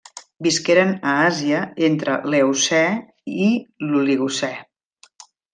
Visqueren a Àsia entre l'Eocè i l'Oligocè.